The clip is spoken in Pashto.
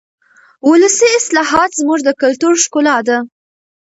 ولسي اصطلاحات زموږ د کلتور ښکلا ده.